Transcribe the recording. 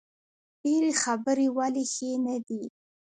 ډیرې خبرې ولې ښې نه دي؟